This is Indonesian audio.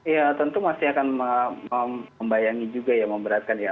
ya tentu masih akan membayangi juga ya memberatkan ya